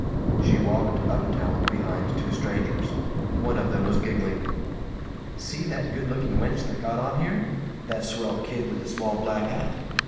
She walked up town behind two strangers. One of them was giggling, "See that good looking wench that got on here? The swell kid with the small black hat?